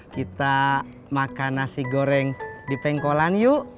kita makan nasi goreng di pengkolan yuk